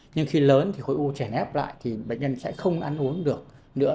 nhưng khi lớn thì khối u chèn ép lại thì bệnh nhân sẽ không ăn uống được nữa